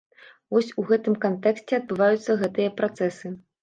Вось у такім кантэксце адбываюцца гэтыя працэсы.